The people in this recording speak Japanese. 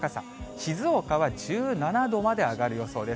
静岡は１７度まで上がる予想です。